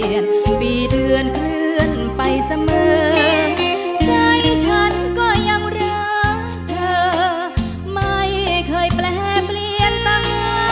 ยังรักเธอไม่เคยแปลเปลี่ยนตาม